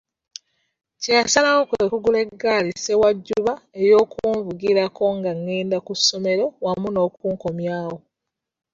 Kye yasalawo kwe kugula eggaali ssewajjuba ey'okunvugirangako nga ngenda ku ssomero wamu n'okunkomyawo.